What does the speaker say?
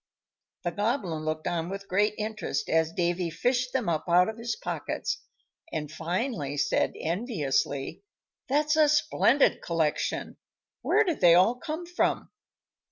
The Goblin looked on with great interest as Davy fished them up out of his pockets, and finally said, enviously, "That's a splendid collection; where did they all come from?"